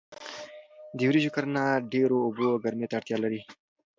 د وریژو کرنه ډیرو اوبو او ګرمۍ ته اړتیا لري.